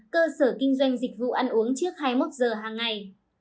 cơ sở kinh doanh dịch vụ ăn uống trước hai mươi một giờ hàng ngày